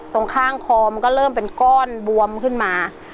ตรงข้างคอมันก็เริ่มเป็นก้อนบวมขึ้นมา